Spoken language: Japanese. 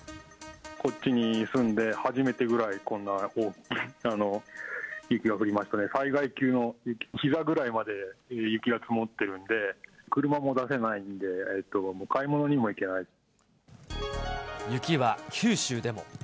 こっちに住んで初めてぐらい、こんな雪が降りましたね、災害級の雪、ひざぐらいまで雪が積もってるんで、車も出せないんで、雪は九州でも。